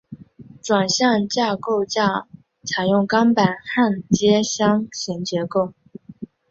转向架构架采用钢板焊接箱型结构。